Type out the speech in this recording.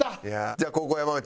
じゃあ後攻山内。